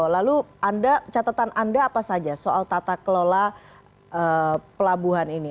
lalu catatan anda apa saja soal tata kelola pelabuhan ini